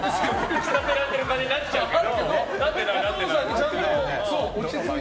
着させられてる感じになっちゃうけど、なってない。